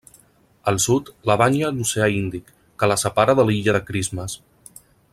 Al sud, la banya l'oceà Índic, que la separa de l'illa de Christmas.